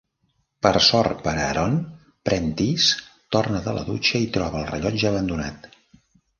Per sort per a Aaron, Prentice torna de la dutxa i troba el rellotge abandonat.